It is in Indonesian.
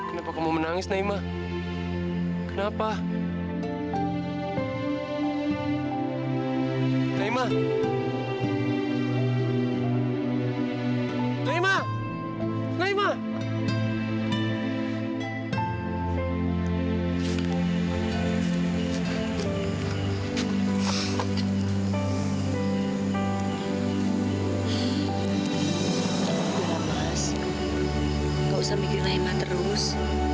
enggak usah mikir naima terus